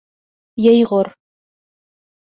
Йәйғор